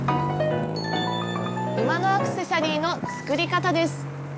馬のアクセサリーの作り方です。